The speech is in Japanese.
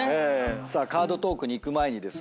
さあカードトークにいく前にですね